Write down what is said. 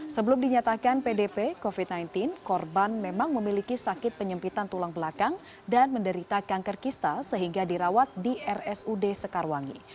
sebelum dinyatakan pdp covid sembilan belas korban memang memiliki sakit penyempitan tulang belakang dan menderita kanker kista sehingga dirawat di rsud sekarwangi